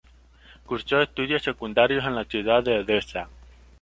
Cursó estudios secundarios en la ciudad de Odesa.